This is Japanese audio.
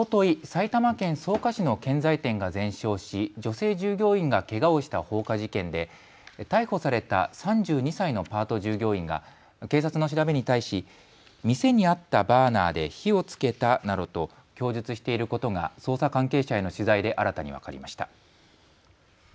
埼玉県草加市の建材店が全焼し女性従業員がけがをした放火事件で逮捕された３２歳のパート従業員が警察の調べに対し店にあったバーナーで火をつけたなどと供述していることが捜査関係者への取材で新たに分かりました。